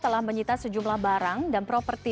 telah menyita sejumlah barang dan properti